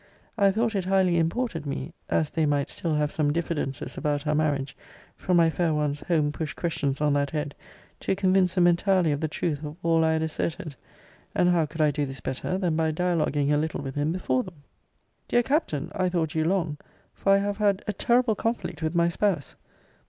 I thought it highly imported me (as they might still have some diffidences about our marriage, from my fair one's home pushed questions on that head) to convince them entirely of the truth of all I had asserted. And how could I do this better, than by dialoguing a little with him before them? Dear Captain, I thought you long; for I have had a terrible conflict with my spouse.